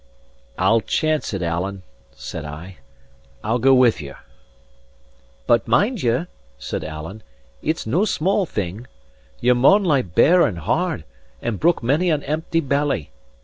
"I'll chance it, Alan," said I. "I'll go with you." "But mind you," said Alan, "it's no small thing. Ye maun lie bare and hard, and brook many an empty belly.